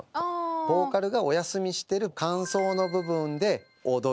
ボーカルがお休みしてる間奏の部分で踊る。